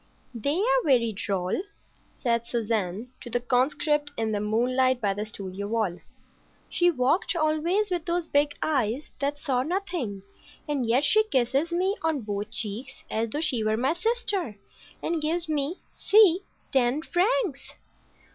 "They are very droll," said Suzanne to the conscript in the moonlight by the studio wall. "She walked always with those big eyes that saw nothing, and yet she kisses me on both cheeks as though she were my sister, and gives me—see—ten francs!"